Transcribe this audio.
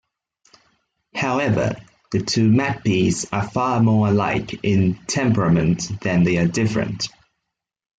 However, the two magpies are far more alike in temperament than they are different.